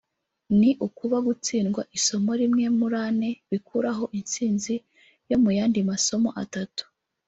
ni ukuba gutsindwa isomo rimwe muri ane bikuraho intsinzi yo mu yandi masomo atatu